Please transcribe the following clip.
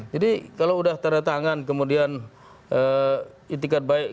jadi kalau sudah tanda tangan kemudian intikan baik